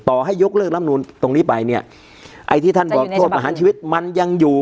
ให้ยกเลิกลำนูนตรงนี้ไปเนี่ยไอ้ที่ท่านบอกโทษประหารชีวิตมันยังอยู่